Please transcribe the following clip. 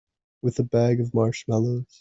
With a bag of marshmallows.